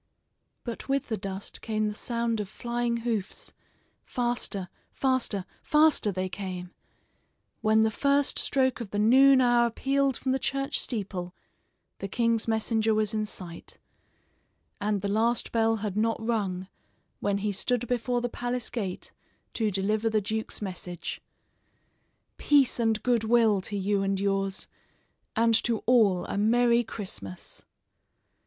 But with the dust came the sound of flying hoofs. Faster, faster, faster, they came. When the first stroke of the noon hour pealed from the church steeple the king's messenger was in sight, and the last bell had not rung when he stood before the palace gate to deliver the duke's message: "Peace and good will to you and yours; And to all a Merry Christmas."